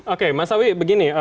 oke mas awi begini